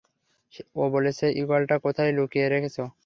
ও বলছে সে ঈগলটা কোথাও লুকিয়ে রেখেছে।